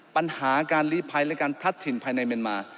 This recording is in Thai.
ปัญหาการลีภัยและการพลัดถิ่นภายในเมียนมา